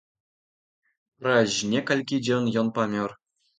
Праз некалькі дзён ён памёр.